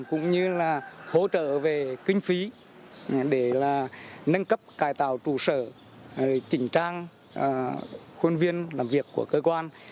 cũng như là hỗ trợ về kinh phí để nâng cấp cải tạo trụ sở chỉnh trang khuôn viên làm việc của cơ quan